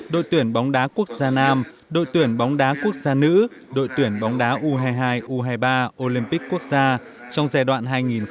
đội tuyển bóng đá quốc gia nam đội tuyển bóng đá quốc gia nữ đội tuyển bóng đá u hai mươi hai u hai mươi ba olympic quốc gia trong giai đoạn hai nghìn một mươi chín hai nghìn hai mươi